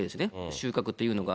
収穫っていうのが。